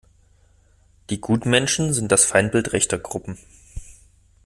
Die Gutmenschen sind das Feindbild rechter Gruppen.